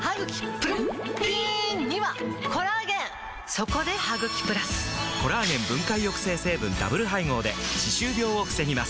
そこで「ハグキプラス」！コラーゲン分解抑制成分ダブル配合で歯周病を防ぎます